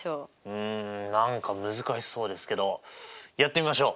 うん何か難しそうですけどやってみましょう。